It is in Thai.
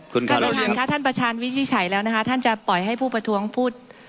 ประธานคะท่านประชาญวิชิฯ์ชัยแล้วท่านจะปล่อยให้ผู้พิปราฐวงพูด